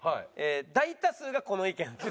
大多数がこの意見です。